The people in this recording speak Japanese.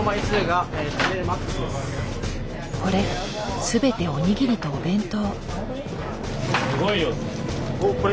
これ全ておにぎりとお弁当。